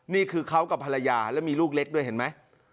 นี่คือเขากับภรรยาแล้วมีลูกเล็กด้วยเห็นไหม